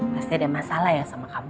pasti ada masalah ya sama kami